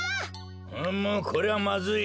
うむこれはまずい。